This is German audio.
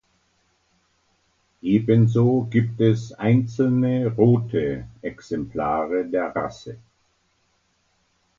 Ebenso gibt es einzelne rote Exemplare der Rasse.